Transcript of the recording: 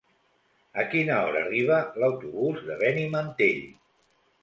A quina hora arriba l'autobús de Benimantell?